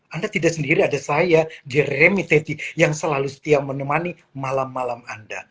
anda tidak sendiri ada saya di remiteti yang selalu setia menemani malam malam anda